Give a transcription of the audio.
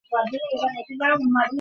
বাসায় জানে তুই স্কুলে প্রেম করতে আসিস?